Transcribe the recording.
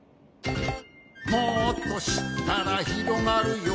「もっとしったらひろがるよ」